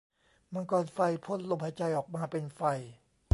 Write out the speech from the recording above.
มังกรไฟ พ่นลมหายใจออกมาเป็นไฟ